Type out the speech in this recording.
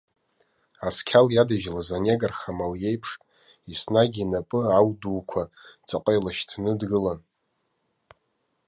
Асқьала иадыжьлаз анегр хамал иеиԥш, еснагь инапы ау дуқәа ҵаҟа илашьҭны дгылан.